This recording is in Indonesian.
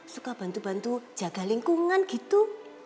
suka bantu bantu jaga lingkungan gitu